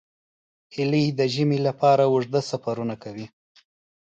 هیلۍ د ژمي لپاره اوږده سفرونه کوي